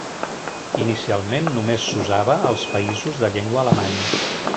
Inicialment només s'usava als països de llengua alemanya.